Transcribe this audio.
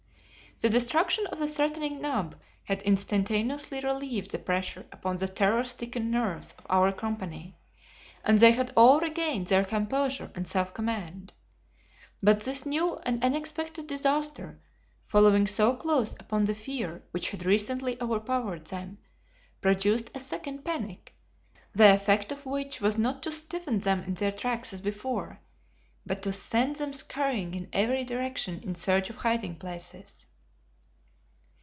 The destruction of the threatening knob had instantaneously relieved the pressure upon the terror stricken nerves of our company, and they had all regained their composure and self command. But this new and unexpected disaster, following so close upon the fear which had recently overpowered them, produced a second panic, the effect of which was not to stiffen them in their tracks as before, but to send them scurrying in every direction in search of hiding places.